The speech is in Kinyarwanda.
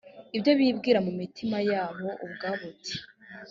ibyo bibwira mu mitima yabo ubwabo uti